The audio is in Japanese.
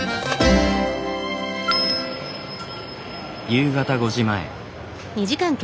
夕方５時前。